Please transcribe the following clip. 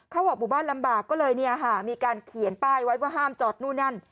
หมู่บ้านลำบากก็เลยมีการเขียนป้ายไว้ว่าห้ามจอดนู่นนั่น